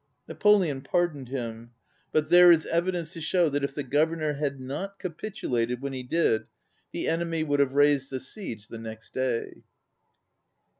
Napoleon pardoned him; but there 67 ON READING is evidence to show that if the Gov ernor had not capitulated when he did, the enemy would have raised the siege the next day.